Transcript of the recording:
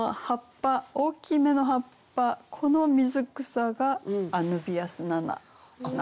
大きめの葉っぱこの水草がアヌビアス・ナナなんですね。